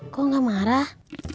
kok nggak marah